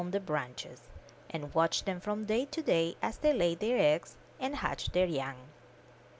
269 MY BOOK HOUSE the branches, and watch them from day to day as they laid their eggs and hatched their young.